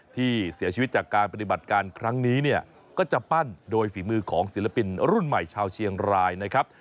ที่เสียชีวิตจากการปฏิบัติการครั้งนี้เนี่ยก็จะปั้นโดยฝีมือของศิลปินรุ่นใหม่ชาวเชียงรายนะครับ